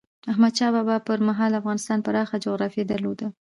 احمد شاه بابا پر مهال افغانستان پراخه جغرافیه درلوده.